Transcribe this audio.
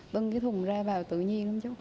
vâng cái thùng ra vào tự nhiên lắm chứ